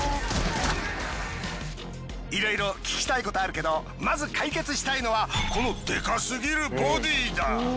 いろいろ聞きたいことあるけどまず解決したいのはこのでかすぎるボディーだ。